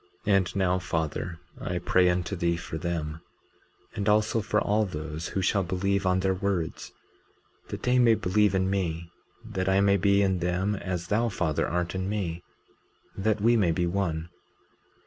19:23 And now Father, I pray unto thee for them, and also for all those who shall believe on their words, that they may believe in me, that I may be in them as thou, Father, art in me, that we may be one.